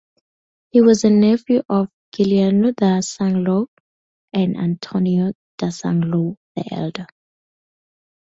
He was a nephew of Giuliano da Sangallo and Antonio da Sangallo the Elder.